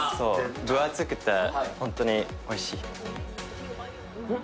分厚くて本当においしい。